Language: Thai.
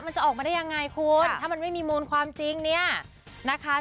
มันจะออกมาได้ยังไงคุณถ้ามันไม่มีมูลความจริงเนี่ยนะคะ